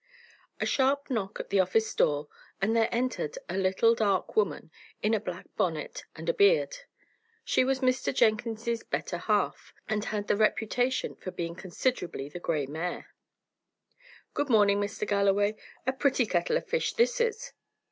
A sharp knock at the office door, and there entered a little dark woman, in a black bonnet and a beard. She was Mr. Jenkins's better half, and had the reputation for being considerably the grey mare. "Good morning, Mr. Galloway. A pretty kettle of fish, this is!"